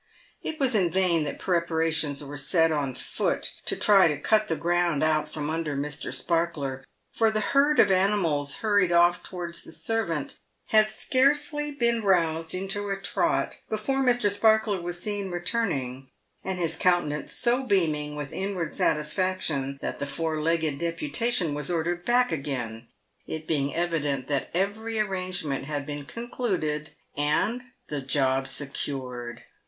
It was in vain that preparations were set on foot to try and cut the ground from under Mr. Sparkler, for the herd of animals hurried off towards the servant had scarcely been roused into a trot, before Mr. Sparkler was seen returning, his countenance so beaming with inward satisfaction, that the four legged deputation was ordered back again, it being evident that every arrangement had been con cluded, and the job secured.